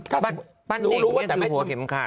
ปั้นเน่งนี่คือหัวเข้มขัด